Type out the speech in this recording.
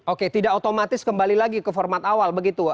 oke tidak otomatis kembali lagi ke format awal begitu